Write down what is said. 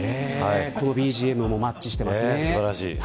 ＢＧＭもマッチしていますね。